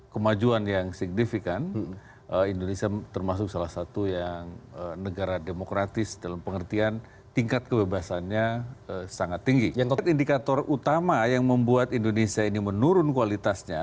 kami akan segera kembali